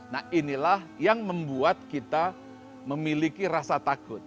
nah inilah yang membuat kita memiliki rasa takut